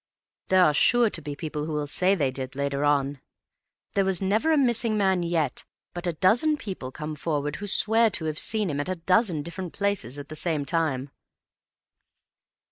"There are sure to be people who will say they did, later on. There was never a missing man yet but a dozen people come forward who swear to have seen him at a dozen different places at the same time."